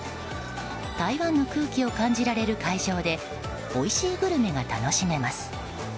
台湾の空気を感じられる会場でおいしいグルメが楽しめます。